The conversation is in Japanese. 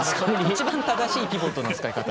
一番正しいピボットの使い方